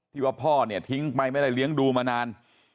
ว่าพ่อเนี่ยทิ้งไปไม่ได้เลี้ยงดูมานาน